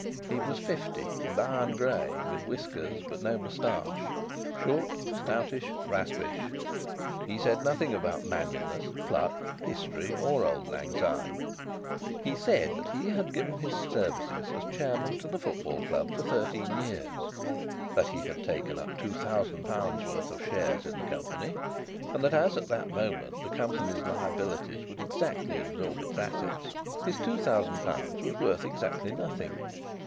He was fifty and iron grey, with whiskers, but no moustache; short, stoutish, raspish. He said nothing about manliness, pluck, history, or Auld Lang Syne. He said he had given his services as Chairman to the football club for thirteen years; that he had taken up £2000 worth of shares in the Company; and that as at that moment the Company's liabilities would exactly absorb its assets, his £2000 was worth exactly nothing.